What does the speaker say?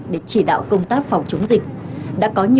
để chỉ đạo công tác phòng chống dịch